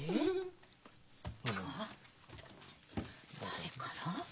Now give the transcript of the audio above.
誰から？